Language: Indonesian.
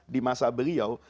di masa beliau